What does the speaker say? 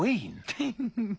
フッフフ。